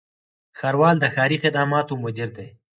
ښاروال د ښاري خدماتو مدیر دی